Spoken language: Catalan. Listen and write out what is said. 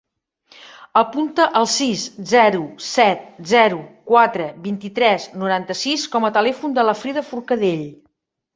Apunta el sis, zero, set, zero, quatre, vint-i-tres, noranta-sis com a telèfon de la Frida Forcadell.